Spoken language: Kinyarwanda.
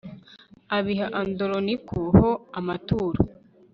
abiha andoroniko ho amaturo